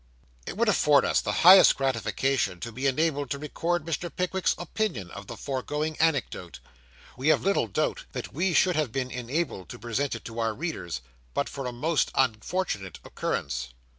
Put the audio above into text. It would afford us the highest gratification to be enabled to record Mr. Pickwick's opinion of the foregoing anecdote. We have little doubt that we should have been enabled to present it to our readers, but for a most unfortunate occurrence.